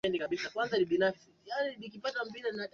watoa huduma wanatumia mifumo hiyo ya malipo